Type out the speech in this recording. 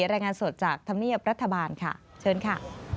รายงานสดจากธรรมเนียบรัฐบาลค่ะเชิญค่ะ